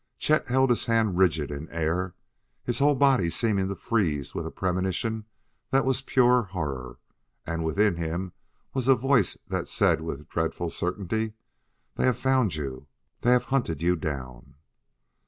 Chet held his hand rigid in air, his whole body seeming to freeze with a premonition that was pure horror; and within him was a voice that said with dreadful certainty: "They have found you. They have hunted you down."